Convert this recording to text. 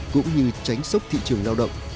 cũng như tránh sốc thị trường lao động